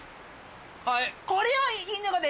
はい。